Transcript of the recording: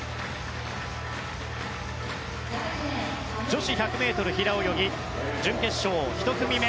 女子１００ｍ平泳ぎ準決勝１組目。